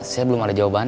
saya belum ada jawabannya